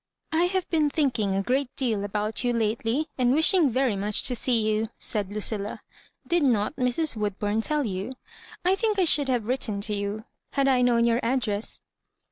" I have been thinking a great deal about you lately, and wishing very much to see you," said Lucilla. " Did not Mrs. "Woodburn tell you ?— I think I should have written to you had I known your address.